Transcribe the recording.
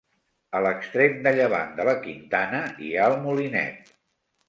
A l'extrem de llevant de la quintana hi ha el Molinet.